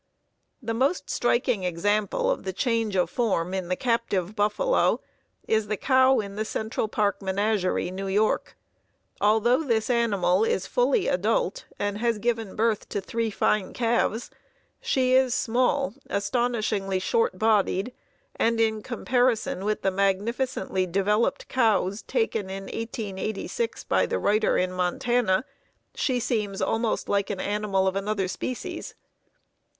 The most striking example of the change of form in the captive buffalo is the cow in the Central Park Menagerie, New York. Although this animal is fully adult, and has given birth to three fine calves, she is small, astonishingly short bodied, and in comparison with the magnificently developed cows taken in 1886 by the writer in Montana, she seems almost like an animal of another species.